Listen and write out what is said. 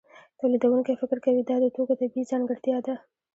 تولیدونکی فکر کوي دا د توکو طبیعي ځانګړتیا ده